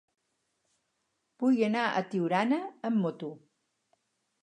Vull anar a Tiurana amb moto.